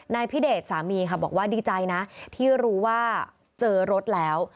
นายพิเดชสามีค่ะบอกว่าดีใจนะที่รู้ว่าเจอรถแล้ว